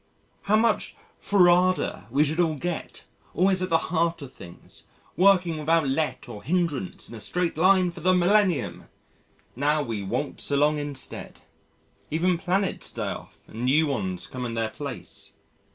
how much forrarder we should all get always at the heart of things, working without let or hindrance in a straight line for the millennium! Now we waltz along instead. Even planets die off and new ones come in their place.